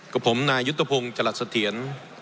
กับผมนายุทธพงศ์จรัสเถียร